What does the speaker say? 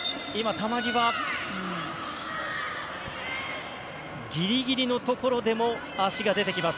球際ギリギリのところでも足が出てきます